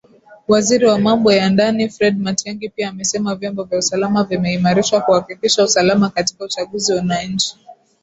Waziri wa Mambo ya Ndani Fred Matiangi pia amesema vyombo vya usalama vimeimarishwa kuhakikisha usalama katika uchaguzi na nchi